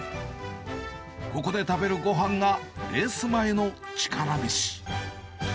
ここで食べるごはんがレース前の力飯。